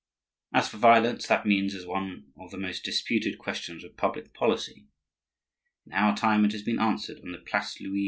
As for violence, that means is one of the most disputed questions of public policy; in our time it has been answered on the Place Louis XV.